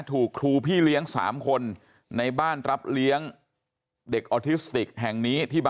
ถูกครูพี่เลี้ยง๓คนในบ้านรับเลี้ยงเด็กออทิสติกแห่งนี้ที่